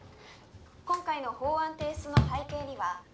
「今回の法案提出の背景には」